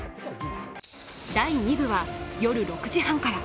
第２部は夜６時半から。